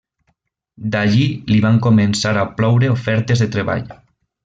D'allí li van començar a ploure ofertes de treball.